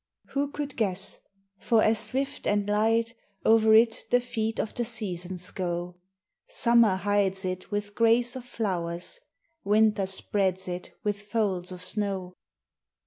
Who could guess? for as swift and light O'er it the feet of the seasons go; Summer hides it with grace of flowers, Winter spreads it with folds of snow.